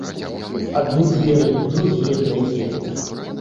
Адны дзверы, другія, трэція.